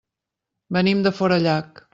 Venim de Forallac.